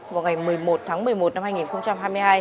vào ngày một mươi một tháng một mươi một năm hai nghìn hai mươi hai